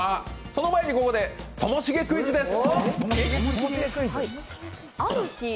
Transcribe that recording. その前に、ここでともしげクイズです。